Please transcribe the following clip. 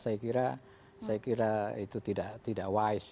saya kira itu tidak wise